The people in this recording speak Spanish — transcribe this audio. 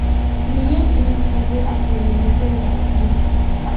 Milan en un cambio por Demetrio Albertini.